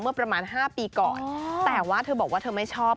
ประมาณ๕ปีก่อนแต่ว่าเธอบอกว่าเธอไม่ชอบ